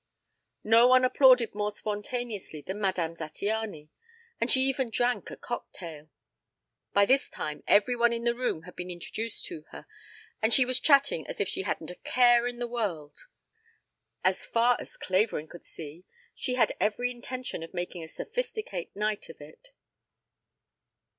No one applauded more spontaneously than Madame Zattiany, and she even drank a cocktail. By this time every one in the room had been introduced to her and she was chatting as if she hadn't a care in the world. As far as Clavering could see, she had every intention of making a Sophisticate night of it.